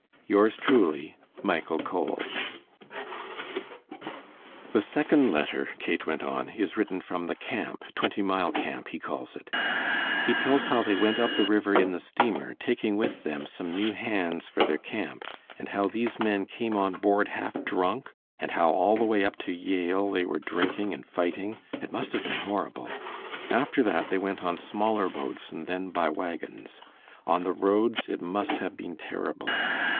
Yours truly, MICHAEL COLE. "The second letter," Kate went on, "is written from the camp, Twentymile Camp, he calls it. He tells how they went up the river in the steamer, taking with them some new hands for their camp, and how these men came on board half drunk, and how all the way up to Yale they were drinking and fighting. It must have been horrible. After that they went on smaller boats and then by wagons. On the roads it must have been terrible.